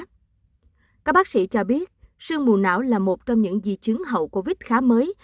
các bác sĩ cho biết sương mù não là một trong những di chứng hậu covid khá mới